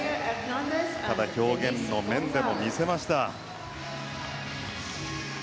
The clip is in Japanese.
ただ表現の面でもみせました。